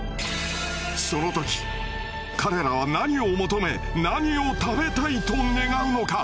その時彼らは何を求め何を食べたいと願うのか？